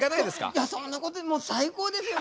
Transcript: いやそんなこと最高ですよ